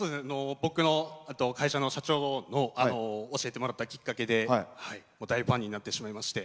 僕の会社の社長に教えてもらったのがきっかけで、大ファンになってしまいまして。